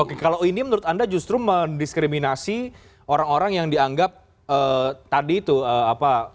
oke kalau ini menurut anda justru mendiskriminasi orang orang yang dianggap tadi itu apa